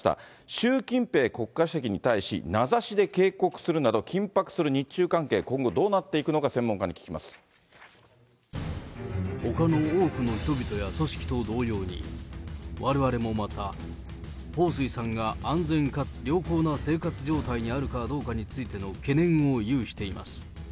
習近平国家主席に対し、名指しで警告するなど、緊迫する日中関係、今後どうなっていくのか、ほかの多くの人々や組織と同様に、われわれもまた、彭帥さんが安全かつ良好な生活状態にあるかどうかについての懸念を有しています。